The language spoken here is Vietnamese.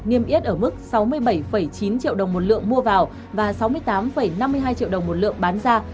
niêm yết ở mức sáu mươi bảy chín triệu đồng một lượng mua vào và sáu mươi tám năm mươi hai triệu đồng một lượng bán ra